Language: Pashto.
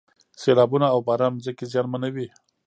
سیلابونه او باران ځمکې زیانمنوي.